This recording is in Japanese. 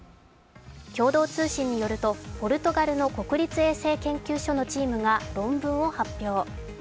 共同通信によると、ポルトガルの国立衛生研究所のチームが論文を発表。